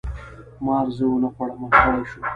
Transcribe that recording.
مار زه ونه خوړم او ستړی شو.